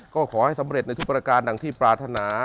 ก็ขอให้สำเร็จในทุกประการดังที่ปรารถนา